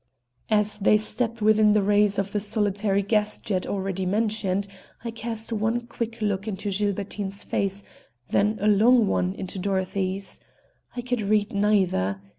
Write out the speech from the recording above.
As they stepped within the rays of the solitary gas jet already mentioned, I cast one quick look into Gilbertine's face, then a long one into Dorothy's. I could read neither.